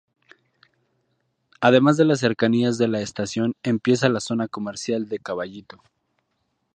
Además en las cercanías de la estación empieza la zona comercial de Caballito.